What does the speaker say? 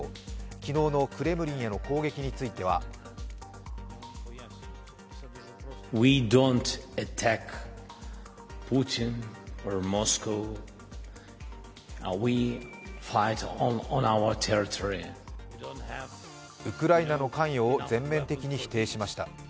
昨日のクレムリンへの攻撃についてはウクライナの関与を全面的に否定しました。